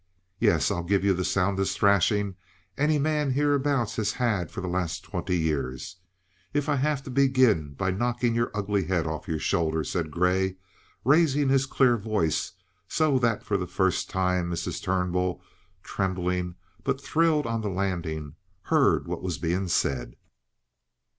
"Yes. I'll give you the soundest thrashing any man hereabouts has had for the last twenty years, if I have to begin by knocking your ugly head off your shoulders," said Grey, raising his clear voice, so that for the first time Mrs. Turnbull, trembling, but thrilled, on the landing, heard what was being said.